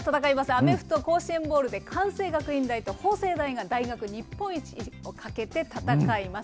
アメフト甲子園ボウルで関西学院大と法政大が大学日本一をかけて戦います。